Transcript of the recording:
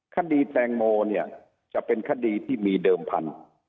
คดีแตงโมเนี่ยจะเป็นคดีที่มีเดิมพันธุ์